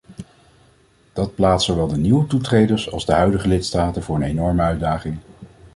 Dat plaatst zowel de nieuwe toetreders als de huidige lidstaten voor een enorme uitdaging.